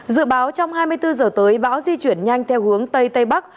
dự báo trong hai mươi bốn giờ tới bão di chuyển nhanh theo hướng tây tây bắc